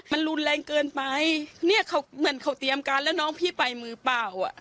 มันรุนแรงเกินไปเหมือนเขาเตรียมการแล้วน้องพี่ไปมือเปล่า